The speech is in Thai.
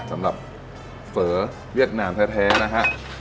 สำหรับเฝอเวียดนามแท้นะฮะ